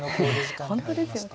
本当ですよね。